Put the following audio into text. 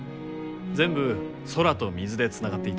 全部空と水でつながっていて。